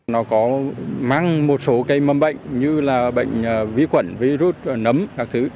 nó có mang một số cây mâm bệnh như là bệnh vi khuẩn virus nấm các thứ